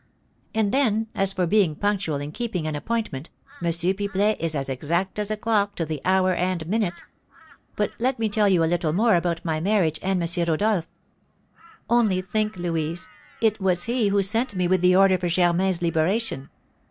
"And then as for being punctual in keeping an appointment, M. Pipelet is as exact as a clock to the hour and minute! But let me tell you a little more about my marriage and M. Rodolph. Only think, Louise, it was he who sent me with the order for Germain's liberation!